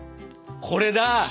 これだ。